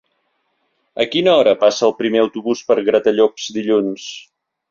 A quina hora passa el primer autobús per Gratallops dilluns?